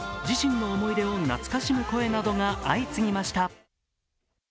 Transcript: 自身の思い出を懐かしむ声などが相次ぎました。